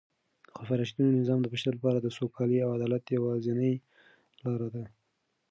د خلفای راشدینو نظام د بشریت لپاره د سوکالۍ او عدالت یوازینۍ لاره ده.